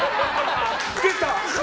出た！